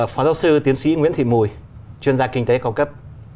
phó giáo sư tiến sĩ nguyễn thị mùi chuyên gia kinh tế cao cấp